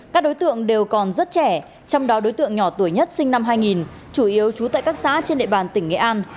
các đối tượng đều còn rất trẻ trong đó đối tượng nhỏ tuổi nhất sinh năm hai nghìn chủ yếu trú tại các xã trên địa bàn tỉnh nghệ an